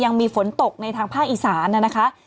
ยังมีฝนตกในทางภาคอีสานนะคะ